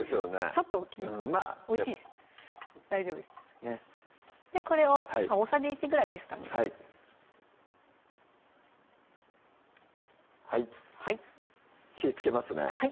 ちょっと大きいまぁでもおいしいです大丈夫ですこれを大さじ１ぐらいですかねはい火つけますね